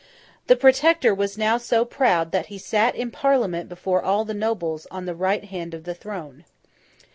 The Protector was now so proud that he sat in Parliament before all the nobles, on the right hand of the throne.